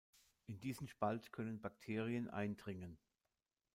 In diesen Spalt können Bakterien eindringen.